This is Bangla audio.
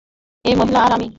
এই মহিলা আর আমি।